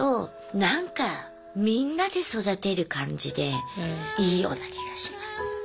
なんかみんなで育てる感じでいいような気がします。